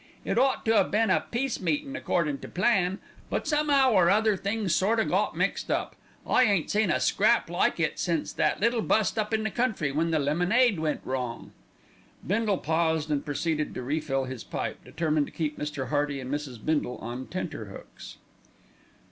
"It ought to 'ave been a peace meetin', accordin' to plan; but some'ow or other things sort o' got mixed. I ain't seen a scrap like it since that little bust up in the country when the lemonade went wrong." Bindle paused and proceeded to refill his pipe, determined to keep Mr. Hearty and Mrs. Bindle on tenter hooks.